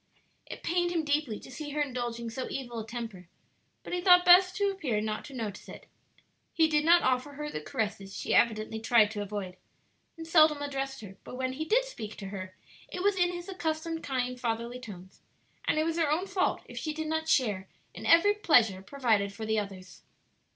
It pained him deeply to see her indulging so evil a temper, but he thought best to appear not to notice it. He did not offer her the caresses she evidently tried to avoid, and seldom addressed her; but when he did speak to her it was in his accustomed kind, fatherly tones, and it was her own fault if she did not share in every pleasure provided for the others.